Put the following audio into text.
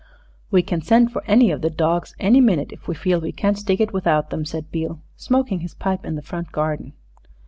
"We can send for any of the dawgs any minute if we feel we can't stick it without 'em," said Beale, smoking his pipe in the front garden.